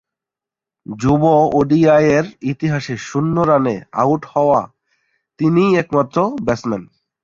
যুব ওডিআইয়ের ইতিহাসে শূন্য রানে আউট হওয়া তিনিই একমাত্র ব্যাটসম্যান।